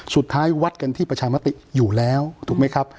สุดท้ายวัดกันที่ประชามติอยู่แล้วถูกไหมครับ